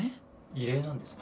異例なんですか？